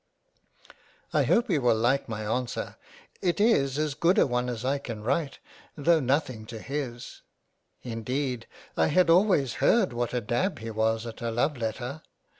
I hope he will like my answer ; it is as good a one as I can write though nothing to his ; Indeed I had always heard what a dab he was at a Love letter.